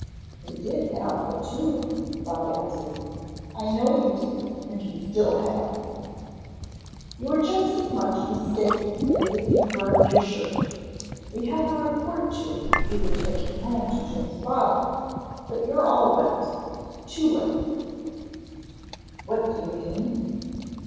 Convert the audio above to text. "We did have a tube," Bob answered. "I know you did and you still have." "You are just as much mistaken as if you'd burned your shirt. We had a report tube we were taking home to Jim's father, but you're all wet too late " "What do you mean?"